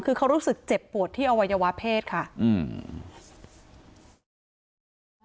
คือเขารู้สึกเจ็บปวดที่อวัยวะเพศค่ะอืม